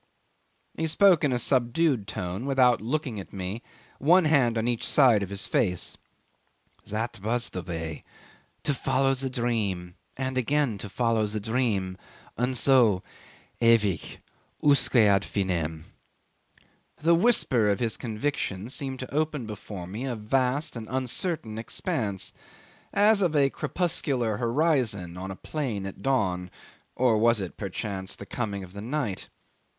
... He spoke in a subdued tone, without looking at me, one hand on each side of his face. "That was the way. To follow the dream, and again to follow the dream and so ewig usque ad finem. ..." The whisper of his conviction seemed to open before me a vast and uncertain expanse, as of a crepuscular horizon on a plain at dawn or was it, perchance, at the coming of the night?